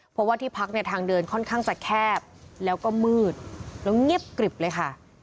เพราะว่าที่พักเนี่ยทางเดินค่อนข้างจะแคบแล้วก็มืดแล้วเงียบกริบเลยค่ะ